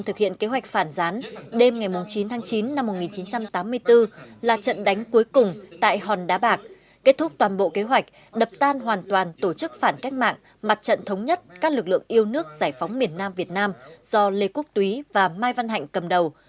thực hiện kế hoạch phản gián đêm ngày chín tháng chín năm một nghìn chín trăm tám mươi bốn là trận đánh cuối cùng tại hòn đá bạc kết thúc toàn bộ kế hoạch đập tan hoàn toàn tổ chức phản cách mạng mặt trận thống nhất các lực lượng yêu nước giải phóng miền nam việt nam do lê quốc túy và mai văn hạnh cầm đầu